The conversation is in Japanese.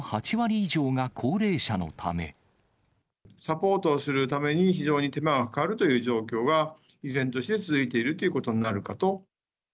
ただ、サポートをするために、非常に手間がかかるという状況が、依然として続いているということになるかと。